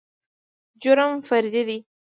جرم فردي دى.